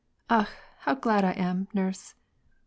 " Akh ! how glad T am, nurse."